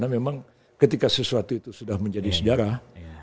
memang ketika sesuatu itu sudah menjadi sejarah